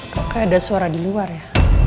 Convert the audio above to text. kok kayak ada suara di luar ya